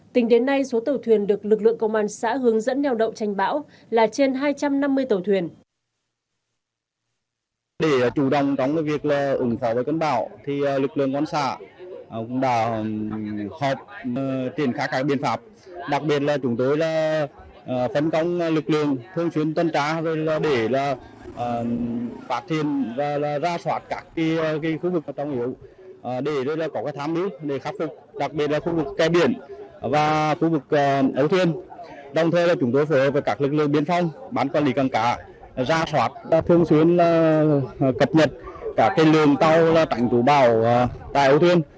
tính đến nay số tàu thuyền được lực lượng công an xã hướng dẫn neo đậu tranh bão là trên hai trăm năm mươi tàu thuyền